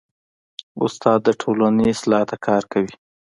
استاد د ټولنې اصلاح ته کار کوي.